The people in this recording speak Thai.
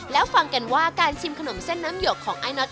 แล้วฟังกันว่าการชิมขนมเส้นน้ำหยกของไอ้น็อต